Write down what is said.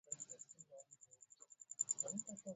kwa bidhaa ya petroli na dizeli na